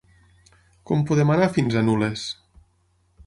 Com podem anar fins a Nules?